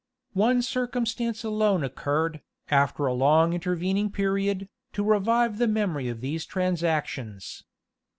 One circumstance alone occurred, after a long intervening period, to revive the memory of these transactions.